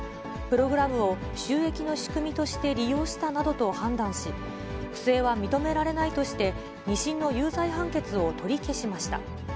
プログラムを収益の仕組みとして利用したなどと判断し、不正は認められないとして、２審の有罪判決を取り消しました。